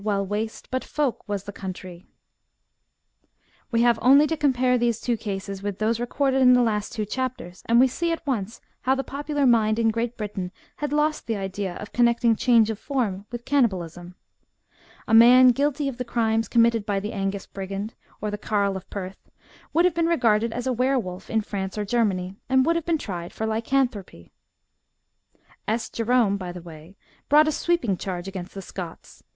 While waste but folk was the countrie.* We have only to compare these two cases with those recorded in the last two chapters, and we see at once how the popular mind in Great Britain had lost the idea of connecting change of form with cannibalism, A man guilty of the crimes committed by the Angus brigand, or the carle of Pei th, would have been regarded as a were wolf in France or Germany, and would have been tried for Lycanthropy. S. Jerome, by the way, brought a sweeping charge against the Scots.